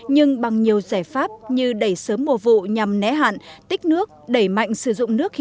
nhưng bằng nhiều giải pháp như đẩy sớm mùa vụ nhằm né hạn tích nước đẩy mạnh sử dụng nước